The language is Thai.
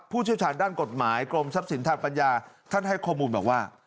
เชี่ยวชาญด้านกฎหมายกรมทรัพย์สินทางปัญญาท่านให้ข้อมูลบอกว่า